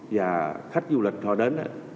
và khách du lịch họ đánh dấu là